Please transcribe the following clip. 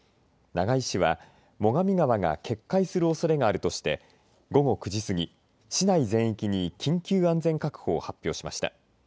長井市は最上川が決壊するおそれがあるとして午後９時過ぎ市内全域に緊急安全確保を発表しました。